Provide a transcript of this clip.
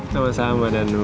sama sama danu